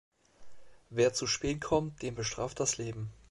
Wer zu spät kommt, den bestraft das Leben.